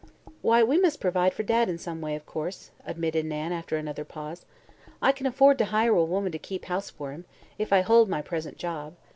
"Why, we must provide for Dad in some way, of course," admitted Nan after another pause. "I can afford to hire a woman to keep house for him, if I hold my present job.